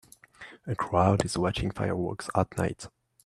A crowd is watching fireworks at night